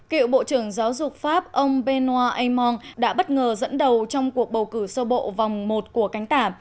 cựu bộ trưởng giáo dục pháp ông benoa aymon đã bất ngờ dẫn đầu trong cuộc bầu cử sơ bộ vòng một của cánh tả